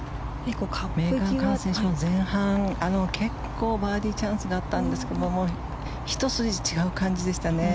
メーガン・カン選手、前半結構バーディーチャンスがあったんですがひと筋違う感じでしたね。